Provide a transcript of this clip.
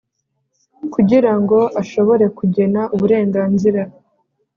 Kugira ngo ashobore kugena uburenganzira